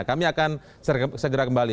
kami akan segera kembali